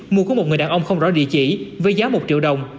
mua của một người đàn ông không rõ địa chỉ với giá một triệu đồng